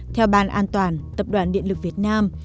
theo ban an toàn tập đoàn điện lực việt nam